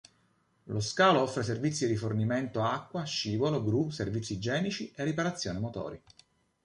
Lo scalo offre servizi di rifornimento acqua, scivolo, gru, servizi igienici e riparazione motori.